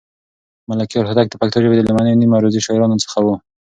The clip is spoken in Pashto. ملکیار هوتک د پښتو ژبې د لومړنيو نیم عروضي شاعرانو څخه و.